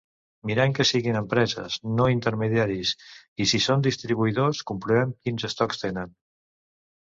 Mirem que siguin empreses, no intermediaris, i si són distribuïdors comprovem quins estocs tenen.